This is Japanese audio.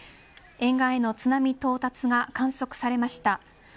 沿岸への津波到達が観測されました。